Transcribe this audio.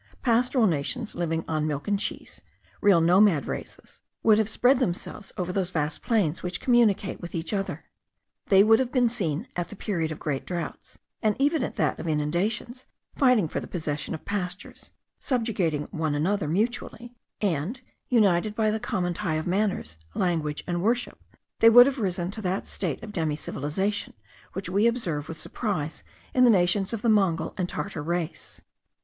Pastoral nations living on milk and cheese, real nomad races, would have spread themselves over those vast plains which communicate with each other. They would have been seen at the period of great droughts, and even at that of inundations, fighting for the possession of pastures; subjugating one another mutually; and, united by the common tie of manners, language, and worship, they would have risen to that state of demi civilization which we observe with surprise in the nations of the Mongol and Tartar race.